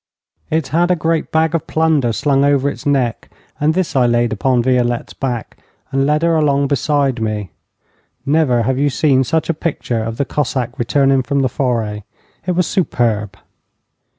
It had a great bag of plunder slung over its neck, and this I laid upon Violette's back, and led her along beside me. Never have you seen such a picture of the Cossack returning from the foray. It was superb.